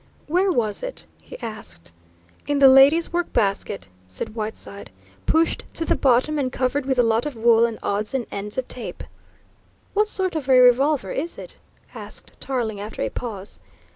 "Where was it?" he asked. "In the lady's work basket," said Whiteside. "Pushed to the bottom and covered with a lot of wool and odds and ends of tape." "What sort of a revolver is it?" asked Tarling after a pause.